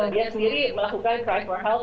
dia sendiri melakukan cry for help